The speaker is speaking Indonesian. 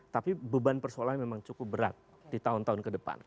tapi beban persoalannya memang cukup berat di tahun tahun ke depan